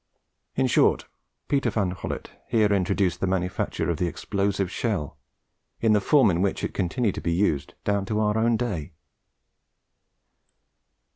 In short, Peter Van Collet here introduced the manufacture of the explosive shell in the form in which it continued to be used down to our own day.